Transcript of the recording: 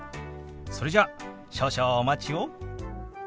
それじゃ少々お待ちを。